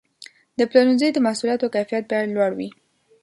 د پلورنځي د محصولاتو کیفیت باید لوړ وي.